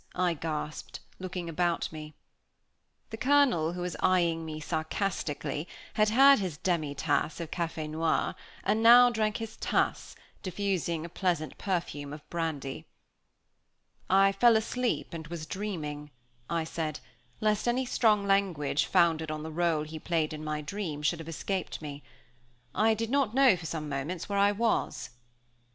I gasped, looking about me. The Colonel, who was eyeing me sarcastically, had had his demitasse of café noir, and now drank his tasse, diffusing a pleasant perfume of brandy. "I fell asleep and was dreaming," I said, lest any strong language, founded on the rôle he played in my dream, should have escaped me. "I did not know for some moments where I was."